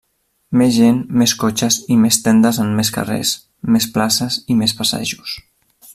Més gent, més cotxes i més tendes en més carrers, més places i més passejos.